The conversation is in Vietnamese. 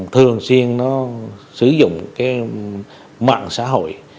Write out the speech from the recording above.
thường xuyên nó sử dụng cái mạng xã hội